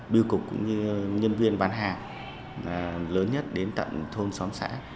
về truyền pháp chúng tôi sẽ giao hàng đến tận thôn xóm xã